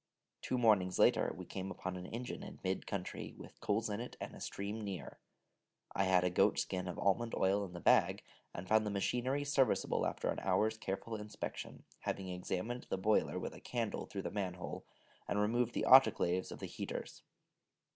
Two mornings later, we came upon an engine in mid country, with coals in it, and a stream near; I had a goat skin of almond oil in the bag, and found the machinery serviceable after an hour's careful inspection, having examined the boiler with a candle through the manhole, and removed the autoclaves of the heaters.